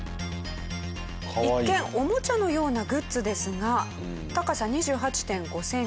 一見おもちゃのようなグッズですが高さ２８．５センチ。